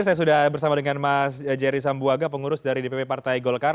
saya sudah bersama dengan mas jerry sambuaga pengurus dari dpp partai golkar